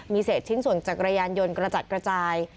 เศษชิ้นส่วนจักรยานยนต์กระจัดกระจาย